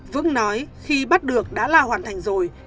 vững nói khi bắt được đã là hoàn thành rồi